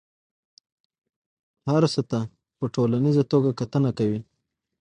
هر څه ته په ټوليزه توګه کتنه کوي.